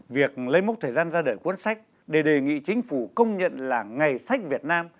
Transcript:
việc lấy mốc thời gian ra đời cuốn sách để đề nghị chính phủ công nhận là ngày sách việt nam